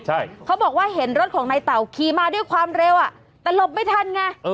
ใช่เขาบอกว่าเห็นรถของนายเต่าขี่มาด้วยความเร็วอ่ะแต่หลบไม่ทันไง